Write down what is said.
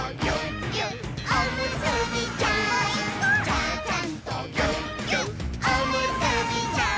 「ちゃちゃんとぎゅっぎゅっおむすびちゃん」